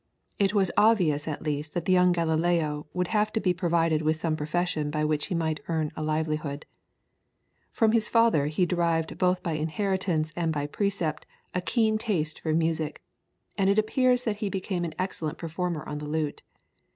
It was obvious at least that the young Galileo would have to be provided with some profession by which he might earn a livelihood. From his father he derived both by inheritance and by precept a keen taste for music, and it appears that he became an excellent performer on the lute.